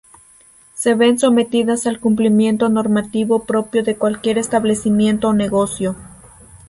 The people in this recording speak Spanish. Se ven sometidas al cumplimiento normativo propio de cualquier establecimiento o negocio.